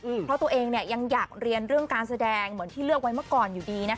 เพราะตัวเองยังอยากเรียนเรื่องการแสดงเหมือนที่เลือกไว้เมื่อก่อนอยู่ดีนะคะ